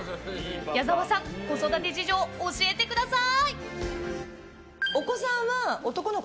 矢沢さん子育て事情教えてください！